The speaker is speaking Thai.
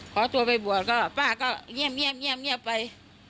ขอตัวไปบวชก็ป้าก็เงียบเงียบเงียบเงียบไป